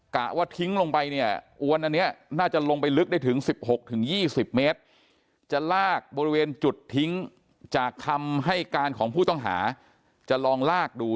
ะว่าทิ้งลงไปเนี่ยอวนอันนี้น่าจะลงไปลึกได้ถึง๑๖๒๐เมตรจะลากบริเวณจุดทิ้งจากคำให้การของผู้ต้องหาจะลองลากดู